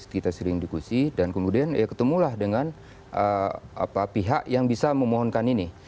kita sering diskusi dan kemudian ketemulah dengan pihak yang bisa memohonkan ini